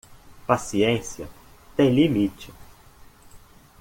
Paciência tem limite